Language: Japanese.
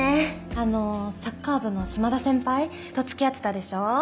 あのサッカー部の島田先輩とつきあってたでしょ